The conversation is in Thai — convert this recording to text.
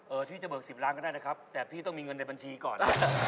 พี่จะเบิก๑๐ล้านก็ได้นะครับแต่พี่ต้องมีเงินในบัญชีก่อน